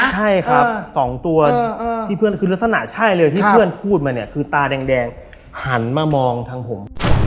ใช่ครับสองตัวที่เพื่อนคือลักษณะใช่เลยที่เพื่อนพูดมาเนี่ยคือตาแดงหันมามองทางผม